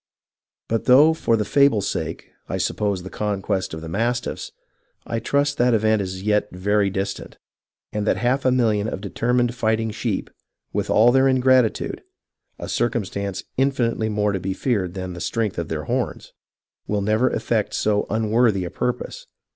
But though, for the fable's sake, I suppose the conquest of the mastiffs, I trust that event is yet very distant ; and that half a million of determined fighting sheep, with all their ingratitude (a circumstance infinitely more to be feared than the strength of their horns), will never effect so unworthy a purpose.